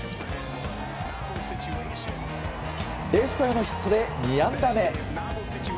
レフトへのヒットで２安打目。